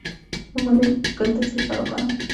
د مولی ګل د څه لپاره وکاروم؟